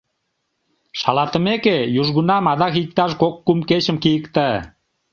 Шалатымеке, южгунам адак иктаж кок-кум кечым кийыкта.